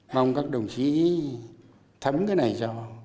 mong các đồng chí thấm cái này cho